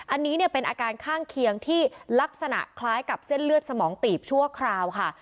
อันนี้เนี่ยเป็นอาการข้างเคียงที่ลักษณะคล้ายกับเส้นเลือดสมองตีบชั่วคราวค่ะ